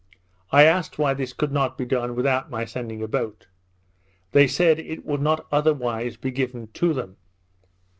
I asked why this could not be done without my sending a boat? They said, it would not otherwise be given to them.